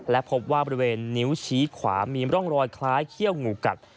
และพบว่าบริเวณนิ้วชี้ขวามีร่องรอยคล้ายเขี้ยวงูกัด